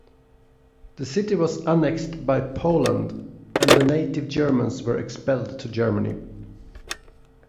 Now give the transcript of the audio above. The city was annexed by Poland, and the native Germans were expelled to Germany.